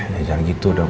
jangan gitu dong